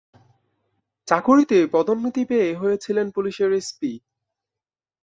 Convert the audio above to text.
চাকরিতে পদোন্নতি পেয়ে হয়েছিলেন পুলিশের এসপি।